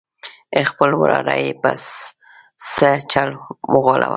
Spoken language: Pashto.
خپل وراره یې په څه چل وغولاوه.